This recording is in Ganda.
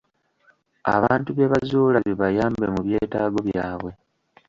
Abantu bye bazuula bibayambe mu byetaago byabwe.